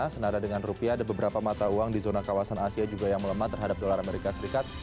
senada dengan rupiah ada beberapa mata uang di zona kawasan asia juga yang melemah terhadap dolar amerika serikat